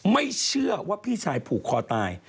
ไม่เชื่อว่าพี่ชายผูกคอตาย